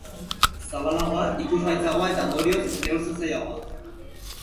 Zabalagoa, ikusgaitzagoa eta, ondorioz, neurtzen zailagoa.